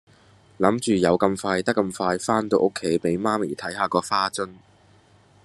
諗住有咁快得咁快番到屋企俾媽咪睇下個花樽